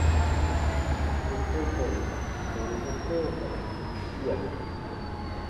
Bù ko mɛ̀ tɔnu u koo ka tii gia.